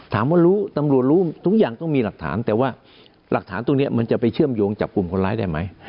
ถามว่ารู้ตำรวจรู้ทุกอย่างต้องมีหลักฐานแต่ว่าหลักฐานตรงนี้มันจะไปเชื่อมโยงจับกลุ่มคนร้ายได้ไหม